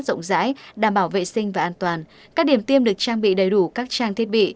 rộng rãi đảm bảo vệ sinh và an toàn các điểm tiêm được trang bị đầy đủ các trang thiết bị